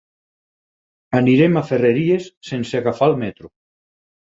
Anirem a Ferreries sense agafar el metro.